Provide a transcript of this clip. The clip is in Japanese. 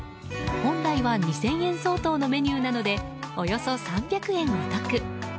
本来は２０００円相当のメニューなのでおよそ３００円お得。